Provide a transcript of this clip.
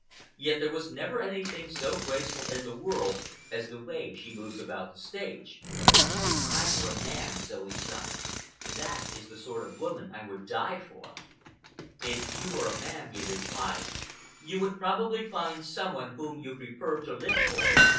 Yet there was never anything so graceful in the world as the way she moves about the stage." "If I were a man," Zoe sighed, "that is the sort of woman I would die for." "If you were a man," he replied, "you would probably find some one whom you preferred to live for.